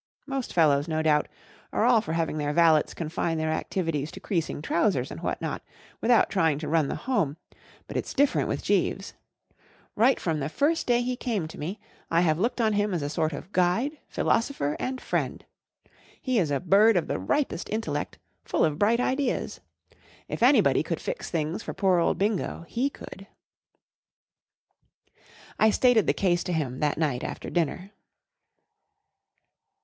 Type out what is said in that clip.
Most fellows, no doubt, are all for having their valets confine their activities to creasing trousers and what not without trying to run the home; but it's different with Jeeves. Right fr^gpj 4^ | ^ay he came to me, I UNIVERSITY OF MICHIGAN *. 49<> Jeeves in the Spring Time have looked on him as a sort of guide, philosopher, and friend. He is a bird of the ripest intellect, full of bright ideas. If any¬ body could fix things for poor old Bingo, he could, I stated the case to him that night after dinner.